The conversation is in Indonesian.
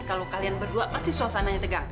kalau kalian berdua pasti suasananya tegang